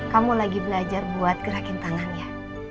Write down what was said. kamu lagi belajar buat gerakin tangan ya